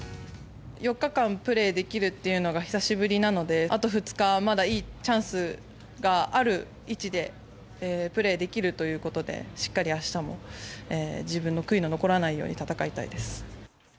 ４日間プレーできるというのが久しぶりなので、あと２日、まだいいチャンスがある位置でプレーできるということで、しっかりあしたも、自分の悔いの残らないように戦いたいです。